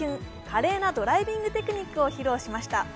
華麗なドライビングテクニックを披露しました。